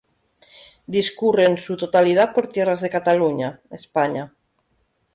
Discurre en su totalidad por tierras de Cataluña, España.